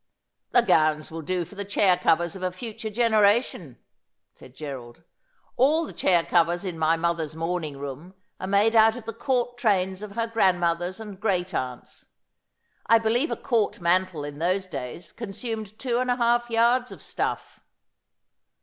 ' The gowns will do for the chair covers of a future genera tion,' said Gerald ;' all the chair covers in my mother's morning room are made out of the Court trains of her grandmothers and great aunts. I believe a Court mantle in those days consumed two yards and a half of stuff.'